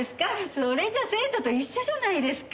それじゃ生徒と一緒じゃないですか。